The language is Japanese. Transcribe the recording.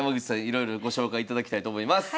いろいろご紹介いただきたいと思います。